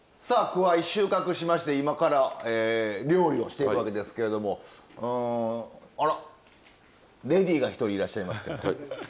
さあくわい収穫しまして今から料理をしていくわけですけれどもあらレディーが１人いらっしゃいますけど。